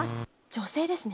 女性ですね。